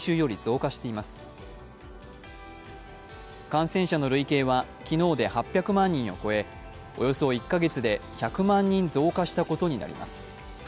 感染者の累計は昨日で８００万人を超え、およそ１カ月で１００万人増加したことになります。